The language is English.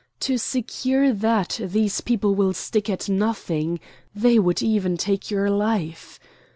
To secure that these people will stick at nothing they would even take your life.